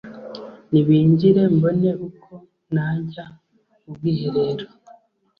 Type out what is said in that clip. Nibinjire mbone uko najya mu bwiherero